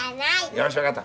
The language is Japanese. よし分かった！